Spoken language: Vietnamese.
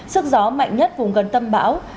sức gió mạnh nhất vùng gần tâm bão